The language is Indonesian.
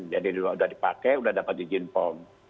jadi udah dipakai udah dapat izin pom